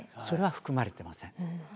それは含まれてません。